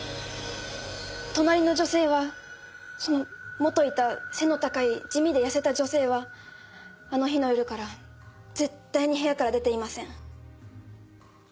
隣の女性はその元いた背の高い地味で痩せた女性はあの日の夜から絶対に部屋から出ていません。